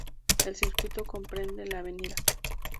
El circuito comprende la Av.